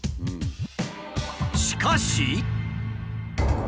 しかし。